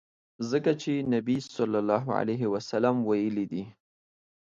ځکه چي نبي ص ویلي دي.